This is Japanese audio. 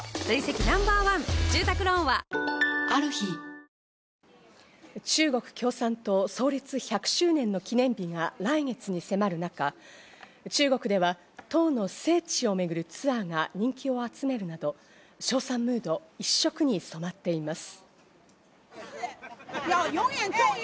事故当時、流された２人は中国共産党創立１００周年の記念日が来月に迫る中、中国では党の聖地を巡るツアーが人気を集めるなど、賞賛ムード一色に染まっています。